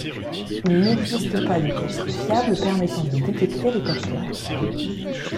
Il n'existe pas de test fiable permettant de détecter les porteurs.